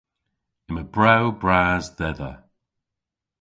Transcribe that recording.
Yma brew bras dhedha.